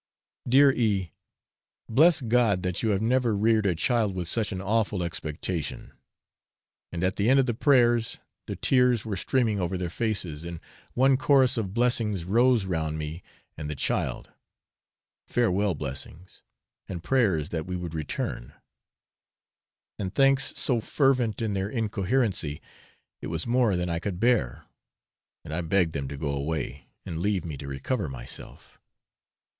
Dear E , bless God that you have never reared a child with such an awful expectation: and at the end of the prayers, the tears were streaming over their faces, and one chorus of blessings rose round me and the child farewell blessings, and prayers that we would return; and thanks so fervent in their incoherency, it was more than I could bear, and I begged them to go away and leave me to recover myself.